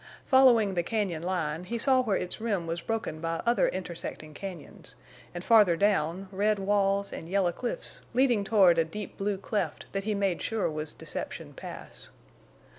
Following the cañon line, he saw where its rim was broken by other intersecting cañons, and farther down red walls and yellow cliffs leading toward a deep blue cleft that he made sure was Deception Pass.